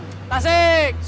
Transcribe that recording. tasik tasik tasik